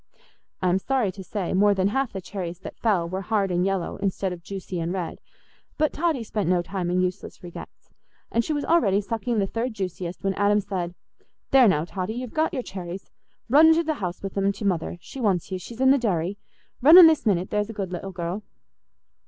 I am sorry to say, more than half the cherries that fell were hard and yellow instead of juicy and red; but Totty spent no time in useless regrets, and she was already sucking the third juiciest when Adam said, "There now, Totty, you've got your cherries. Run into the house with 'em to Mother—she wants you—she's in the dairy. Run in this minute—there's a good little girl."